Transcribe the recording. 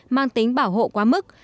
mang tính bảo hộ quá mức